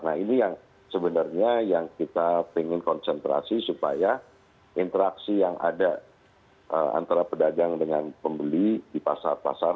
nah ini yang sebenarnya yang kita ingin konsentrasi supaya interaksi yang ada antara pedagang dengan pembeli di pasar pasar